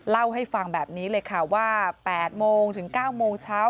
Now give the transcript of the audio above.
เล่าให้ฟังแบบนี้เลยค่ะว่า๘โมงถึง๙โมงเช้า